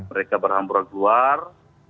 mereka berhamburan keluar